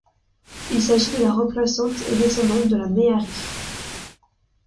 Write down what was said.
Il s'agit de la remplaçante et descendante de la Méhari.